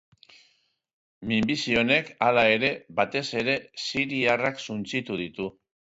Minbizi honek, hala ere, batez ere, siriarrak suntsitu ditu.